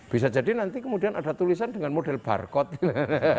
bisa jadi nanti kemudian ada tulisan dengan model barcode gitu